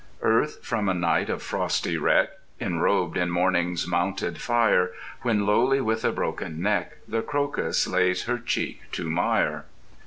Earth, from a night of frosty wreck, Enrobed in morning's mounted fire, When lowly, with a broken neck, The crocus lays her cheek to mire.